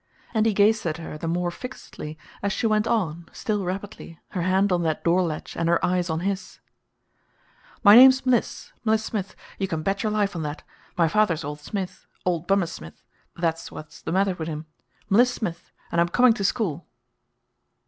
And he gazed at her the more fixedly as she went on still rapidly, her hand on that door latch and her eyes on his: "My name's Mliss Mliss Smith! You can bet your life on that. My father's Old Smith Old Bummer Smith that's what's the matter with him. Mliss Smith and I'm coming to school!"